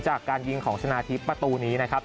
จากการยิงของชนะทิพย์ประตูนี้นะครับ